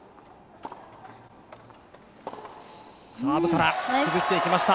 サーブから崩していきました。